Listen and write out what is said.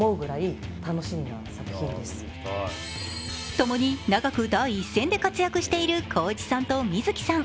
ともに長く第一線で活躍している光一さんと観月さん。